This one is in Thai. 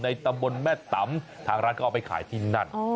ตำบลแม่ตำทางร้านก็เอาไปขายที่นั่น